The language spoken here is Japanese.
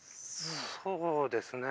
そうですね。